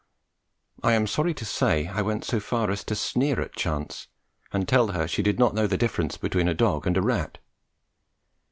I am sorry to say I went so far as to sneer at Chance and tell her she did not know the difference between a dog and a rat.